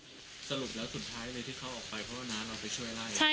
สรุปแล้วสุดท้ายเลยที่เขาออกไปเพราะว่าน้าเราไปช่วยไล่